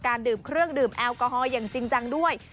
ดื่มเครื่องดื่มแอลกอฮอลอย่างจริงจังด้วย